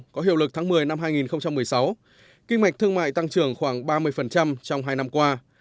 có hiệu lực tháng một mươi năm hai nghìn một mươi sáu kinh mạch thương mại tăng trưởng khoảng ba mươi trong hai năm qua